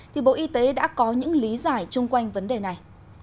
thì bộ y tế đã có những lý giải chung quanh vấn đề này